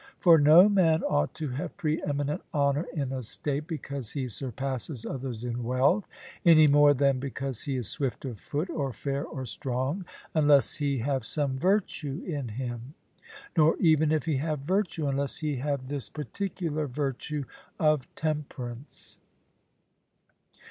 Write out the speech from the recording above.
For no man ought to have pre eminent honour in a state because he surpasses others in wealth, any more than because he is swift of foot or fair or strong, unless he have some virtue in him; nor even if he have virtue, unless he have this particular virtue of temperance.